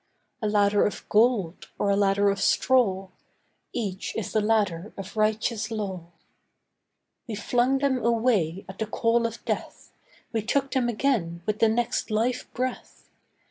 A ladder of gold, or a ladder of straw, Each is the ladder of righteous law. We flung them away at the call of death, We took them again with the next life breath.